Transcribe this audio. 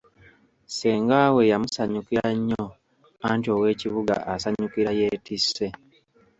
Ssenga we yamusanyukira nnyo anti ow'ekibuga asanyukira yeetisse.